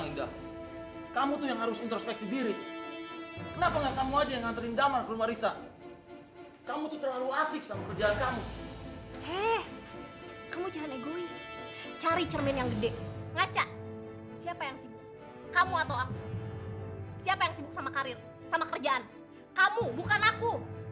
siapa yang sibuk kamu atau aku siapa yang sibuk sama karir sama kerjaan kamu bukan aku